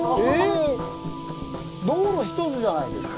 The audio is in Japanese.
道路ひとつじゃないですか。